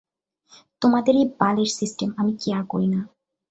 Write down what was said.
তোমাদের এই বালের সিস্টেম আমি কেয়ার করি না!